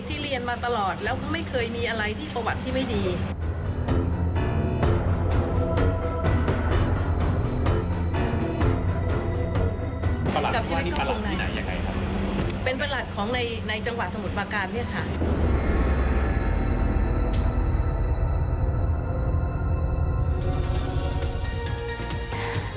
เป็นประหลักของในในจังหวัดสมุทรประการเนี่ยค่ะ